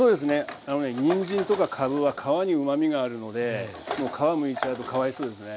あのねにんじんとかかぶは皮にうまみがあるので皮むいちゃうとかわいそうですね。